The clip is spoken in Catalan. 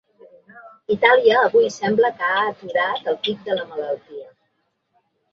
Itàlia avui sembla que ha aturat el pic de la malaltia.